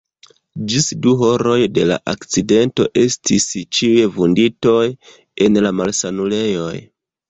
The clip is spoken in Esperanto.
Ĝis du horoj de la akcidento estis ĉiuj vunditoj en la malsanulejoj.